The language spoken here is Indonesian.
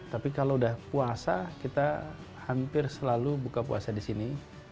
tapi kalau udah puasa kita hampir selalu buka puasa di sini